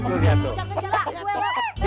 he jangan ajar lu kelamin